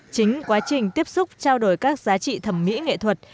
chính quá trình tiếp xúc trao đổi các giá trị thẩm mỹ nghệ thuật